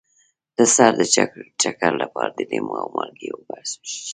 د سر د چکر لپاره د لیمو او مالګې اوبه وڅښئ